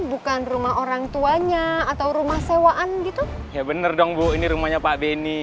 bukan rumah orang tuanya atau rumah sewaan gitu ya bener dong bu ini rumahnya pak beni